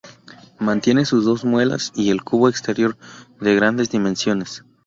Mantiene sus dos muelas, y el cubo exterior, de grandes dimensiones.